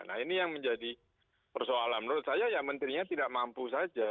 nah ini yang menjadi persoalan menurut saya ya menterinya tidak mampu saja